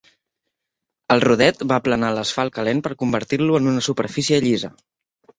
El rodet va aplanar l'asfalt calent per convertir-lo en una superfície llisa.